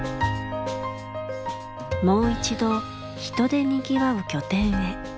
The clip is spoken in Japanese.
もう一度人でにぎわう拠点へ。